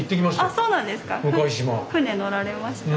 あそうなんですね。